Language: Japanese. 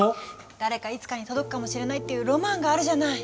誰かいつかに届くかもしれないっていうロマンがあるじゃない？